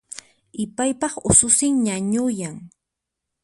Ipaypaq ususin ñañuyan